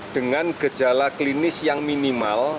dengan gejala klinis yang minimal